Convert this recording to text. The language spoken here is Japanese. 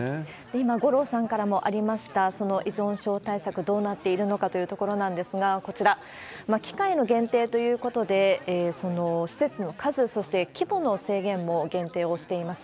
今、五郎さんからもありました、その依存症対策、どうなっているのかというところなんですが、こちら、機会の限定ということで、施設の数、そして規模の制限も限定をしています。